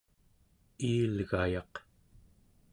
iilgayaq